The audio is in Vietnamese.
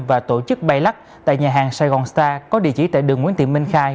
và tổ chức bay lắc tại nhà hàng saigon star có địa chỉ tại đường nguyễn thị minh khai